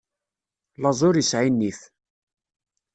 Laẓ ur isɛi nnif.